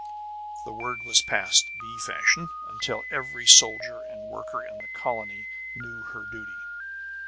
The word was passed, bee fashion, until every soldier and worker in the colony knew her duty.